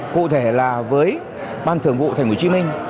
cụ thể là với ban thường vụ thành hồ chí minh